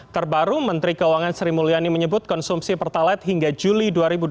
terbaru menteri keuangan sri mulyani menyebut konsumsi pertalite hingga juli dua ribu dua puluh